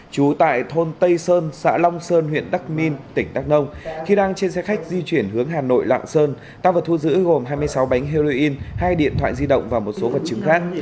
trú tại thôn tây sơn xã long sơn huyện đắc minh tỉnh đắk nông khi đang trên xe khách di chuyển hướng hà nội lạng sơn tăng vật thu giữ gồm hai mươi sáu bánh heroin hai điện thoại di động và một số vật chứng khác